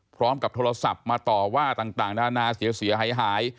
พร้อมกับโทรศัพท์มาต่อว่าต่างนานาเสียหาย